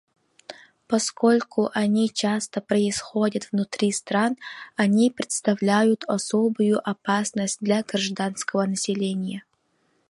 Поскольку они часто происходят внутри стран, они представляют особую опасность для гражданского населения.